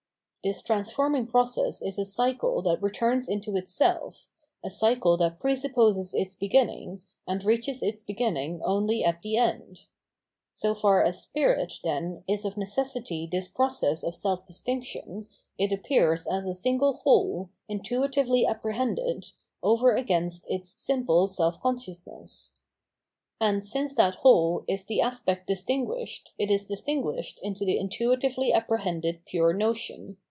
This transforming process is a cycle that returns into itself, a cycle that presupposes its beginning, and reaches its beginning only at the end. So far as spirit, then, is of necessity this process of self distinction, it appears as a single whole, intuitively apprehended, over against its simple seM consciousness. And since that whole is the aspect distinguished, it is distinguished into the intuitively apprehended pure notion.